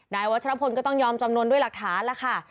วัชรพลก็ต้องยอมจำนวนด้วยหลักฐานแล้วค่ะ